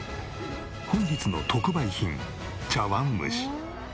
本日の特売品茶わんむし。